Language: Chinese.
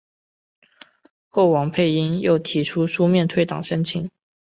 后王佩英又提出书面退党申请。